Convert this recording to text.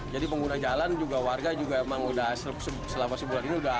jadi pengguna jalan juga warga juga memang sudah selama sebulan ini sudah